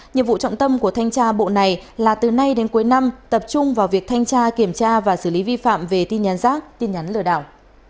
nhiệm vụ trọng tâm của thanh tra bộ này là từ nay đến cuối năm tập trung vào việc thanh tra kiểm tra và xử lý vi phạm về tin nhắn rác tin nhắn lừa đảo